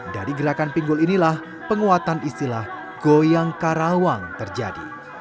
dari gerakan pinggul inilah penguatan istilah goyang karawang terjadi